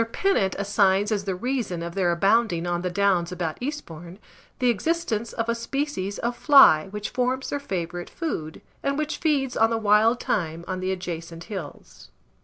Pennant assigns as the reason of their abounding on the downs about Eastbourne, the existence of a species of fly which forms their favourite food, and which feeds on the wild thyme on the adjacent hills.